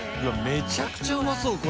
めちゃくちゃうまそうこれ。